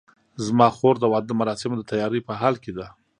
زما خور د واده د مراسمو د تیارۍ په حال کې ده